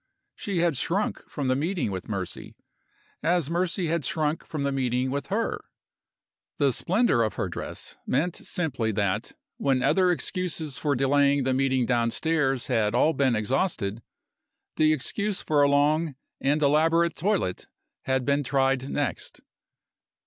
She had shrunk from the meeting with Mercy, as Mercy had shrunk from the meeting with her. The splendor of her dress meant simply that, when other excuses for delaying the meeting downstairs had all been exhausted, the excuse of a long, and elaborate toilet had been tried next.